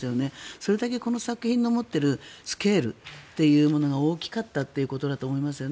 それだけこの作品の持っているスケールというのが大きかったということだと思いますよね。